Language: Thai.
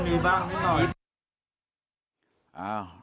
มีบ้างนิดหน่อย